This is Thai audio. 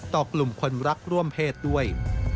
ต่อกลุ่มคนรักร่วมเพศด้วย